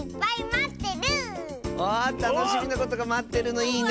あたのしみなことがまってるのいいね！